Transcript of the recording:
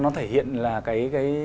nó thể hiện là cái